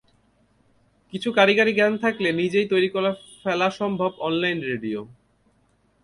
কিছু কারিগরি জ্ঞান থাকলে নিজেই তৈরি করে ফেলা সম্ভব অনলাইন রেডিও।